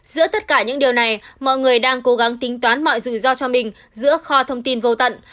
giữa tất cả những điều này mọi người đang cố gắng tính toán mọi rủi ro cho mình giữa kho thông tin vô tận